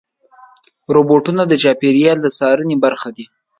روبوټونه د چاپېریال د څارنې برخه دي.